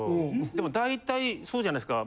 でもだいたいそうじゃないですか。